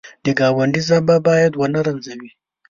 د ګاونډي ژبه باید ونه رنځوي